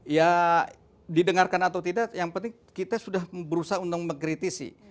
ya didengarkan atau tidak yang penting kita sudah berusaha untuk mengkritisi